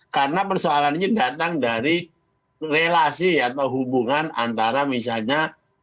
karena persoalannya datang dari relasi atau hubungan antara misalnya